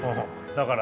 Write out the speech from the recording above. だから？